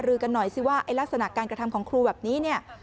รือกันหน่อยสิว่าไอ้ลักษณะการกระทำของครูแบบนี้เนี่ย